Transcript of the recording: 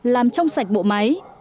làm trong sạch bộ máy